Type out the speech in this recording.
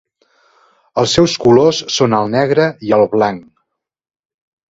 Els seus colors són el negre i el blanc.